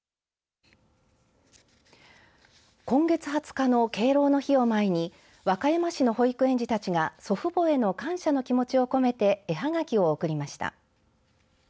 今月２０日の敬老の日を前に和歌山市の保育園児たちが祖父母への感謝の気持ちを込めて絵はがきを送りました。